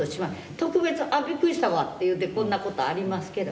特別「あびっくりしたわ」っていうてこんなことありますけど。